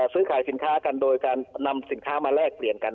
ซื้อขายสินค้ากันโดยการนำสินค้ามาแลกเปลี่ยนกัน